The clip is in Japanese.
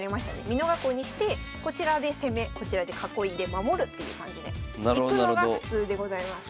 美濃囲いにしてこちらで攻めこちらで囲いで守るっていう感じでいくのが普通でございます。